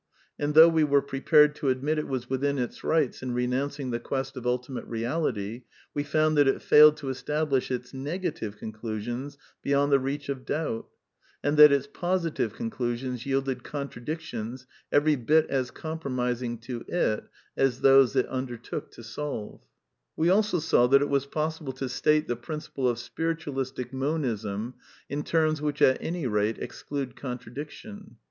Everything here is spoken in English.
And though we were prepared to admit it was within its rights in renouncing the quest of ultimate reality, we found that it failed to establish its negative conclusions beyond the reach of doubt; and that its positive conclusions yielded contra dictions every bit as compromising (to it) as those it un dertook to solve. 296 A DEFENCE OF IDEALISM We also saw that it was possible to state the principle of Spiritualistic Monism in terms which at any rate ex clude contradiction.